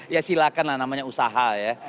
ya silakan lah namanya usaha ya